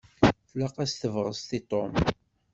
Tlaq-as tebɣest i Tom.